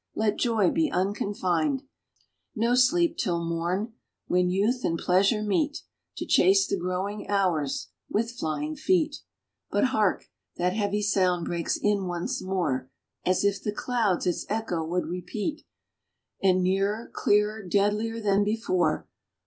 le> joy be unconfined; No sleep till morn, when youth and pleasure meet To chase the glowing hours with flying feet. — But hark !— that heavy sound breaks in once more, As if the clouds its echo would repeat ; And nearer, clearer, deadlier than before